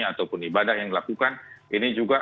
ataupun ibadah yang dilakukan ini juga